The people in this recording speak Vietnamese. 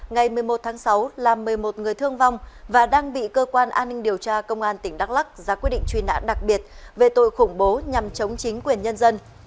ngày một mươi một tháng sáu làm một mươi một người thương vong và đang bị cơ quan an ninh điều tra công an tỉnh đắk lắc ra quyết định truy nã đặc biệt về tội khủng bố nhằm chống chính quyền nhân dân